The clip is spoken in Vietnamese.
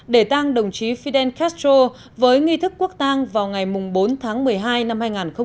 để tăng đồng chí fidel castro với nghi thức quốc tang vào ngày bốn tháng một mươi hai năm hai nghìn một mươi chín